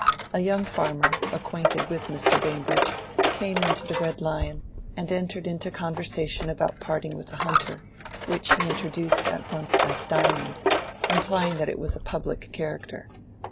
A young farmer, acquainted with Mr. Bambridge, came into the Red Lion, and entered into conversation about parting with a hunter, which he introduced at once as Diamond, implying that it was a public character.